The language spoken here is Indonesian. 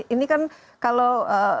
ini kan kalau